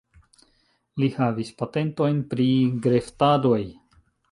Li havis patentojn pri greftadoj.